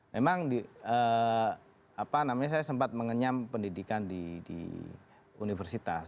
memang saya sempat mengenyam pendidikan di universitas